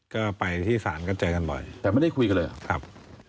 ก็ไปที่ศาลก็เจอกันบ่อยแต่ไม่ได้คุยกันเลยครับ